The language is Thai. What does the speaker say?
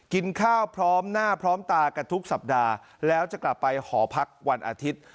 กินข้าวพร้อมหน้าพร้อมตากันทุกสัปดาห์แล้วจะกลับไปหอพักวันอาทิตย์